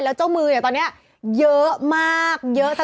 แล้วเจ้ามือเนี่ยตอนนี้เยอะมากเยอะ